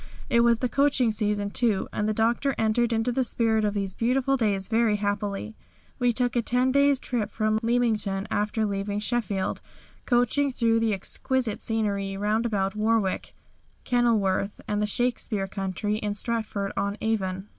It was the coaching season, too, and the Doctor entered into the spirit of these beautiful days very happily. We took a ten days' trip from Leamington after leaving Sheffield, coaching through the exquisite scenery around about Warwick, Kenilworth, and the Shakespeare country in Stratford on Avon.